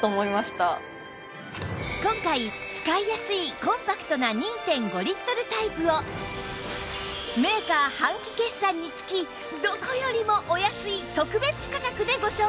今回使いやすいコンパクトな ２．５ リットルタイプをメーカー半期決算につきどこよりもお安い特別価格でご紹介します！